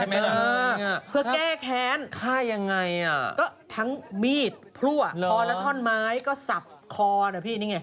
เพื่อแก้แค้นฆ่ายังไงอ่ะก็ทั้งมีดพลั่วคอและท่อนไม้ก็สับคอนะพี่นี่ไง